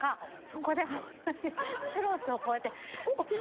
そこでほんとにチュロスをこうやって。